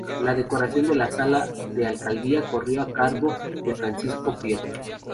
La decoración de la sala de alcaldía corrió a cargo de Francisco Prieto.